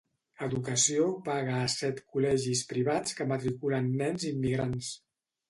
Educació paga a set col·legis privats que matriculen nens immigrants.